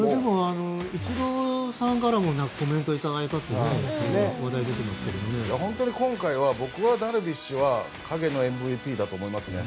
イチローさんからもコメントをいただいたと本当に僕は、今回はダルビッシュは影のＭＶＰだと思います。